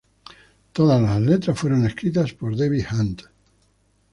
Todas las letras fueron escritas por Dave Hunt